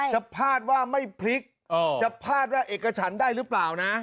พลาดว่าไม่พลิกจะพลาดว่าเอกฉันได้หรือเปล่านะ